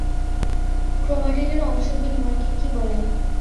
ক্রোমাটিডের অংশের বিনিময়কে কী বলে?